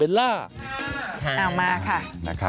เอามาค่ะ